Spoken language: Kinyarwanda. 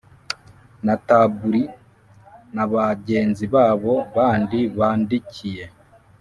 na Tab li na bagenzi babo bandi bandikiye